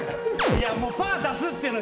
いやもうパー出すっていうの。